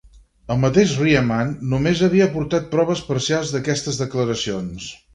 El mateix Riemann només havia aportat proves parcials d'aquestes declaracions.